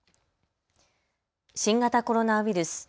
新型コロナウイルス。